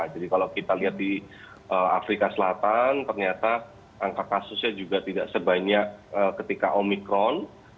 jadi kalau kita lihat di afrika selatan ternyata angka kasusnya juga tidak sebanyak ketika omikron